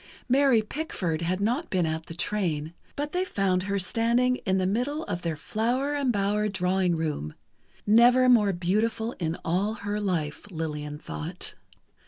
Mary Pickford had not been at the train, but they found her standing in the middle of their "flower embowered drawing room"—never more beautiful in all her life, Lillian thought.